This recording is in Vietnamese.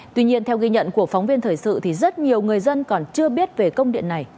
tuy nhiên theo ghi nhận của phóng viên thời sự thì rất nhiều người dân còn chưa biết về công điện này